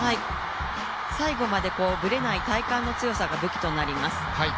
最後までブレない体幹の強さが武器となります。